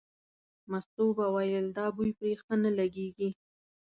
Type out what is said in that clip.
مستو به ویل دا بوی پرې ښه نه لګېږي.